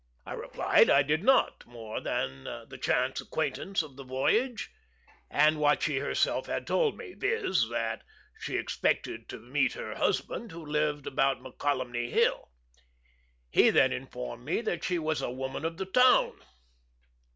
I replied I did not, more than the chance acquaintance of the voyage, and what she herself had told me, viz., that she expected to meet her husband, who lived about Mokelumne Hill. He then informed me that she was a woman of the town.